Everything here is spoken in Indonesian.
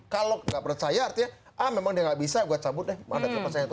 kalau gak percaya artinya ah memang dia gak bisa gue cabut deh mandat kepercayaan itu